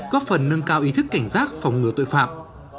góp phần nâng cao ý thức cảnh giác phòng ngừa tội phạm